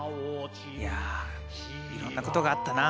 いやいろんなことがあったな。